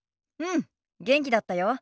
うん元気だったよ。